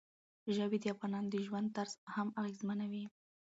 ژبې د افغانانو د ژوند طرز هم اغېزمنوي.